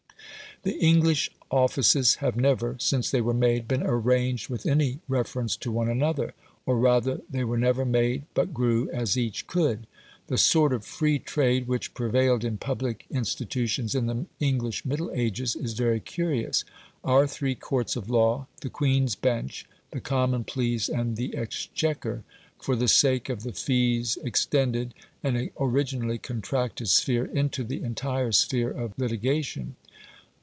The English offices have never, since they were made, been arranged with any reference to one another; or rather they were never made, but grew as each could. The sort of free trade which prevailed in public institutions in the English Middle Ages is very curious. Our three courts of law the Queen's Bench, the Common Pleas, and the Exchequer for the sake of the fees extended an originally contracted sphere into the entire sphere of litigation.